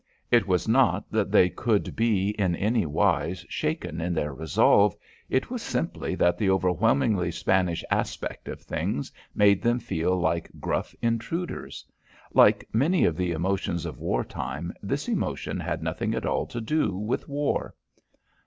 It was not that they could be in any wise shaken in their resolve; it was simply that the overwhelmingly Spanish aspect of things made them feel like gruff intruders. Like many of the emotions of war time, this emotion had nothing at all to do with war.